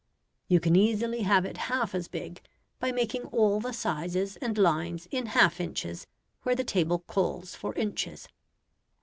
You can easily have it half as big by making all the sizes and lines in half inches where the table calls for inches.